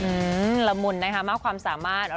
อืมละมุนนะคะมากความสามารถ